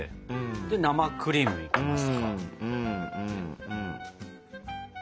で生クリームいきますか。